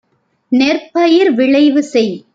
நெற்பயிர் விளைவு செய்.